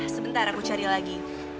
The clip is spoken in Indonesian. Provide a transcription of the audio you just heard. sebentar aku cari lagi